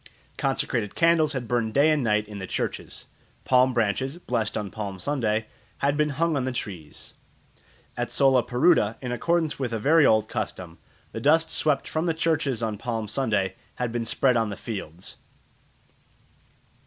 Consecrated candles had burned day and night in the churches. Palm branches, blessed on Palm Sunday, had been hung on the trees. At Solaparuta, in accordance with a very old custom, the dust swept from the churches on Palm Sunday had been spread on the fields.